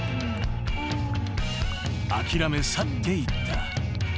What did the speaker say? ［諦め去っていった］